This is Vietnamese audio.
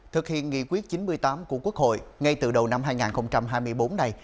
thực hiện nghị quyết chín mươi tám của quốc hội ngay từ đầu năm hai nghìn hai mươi bốn này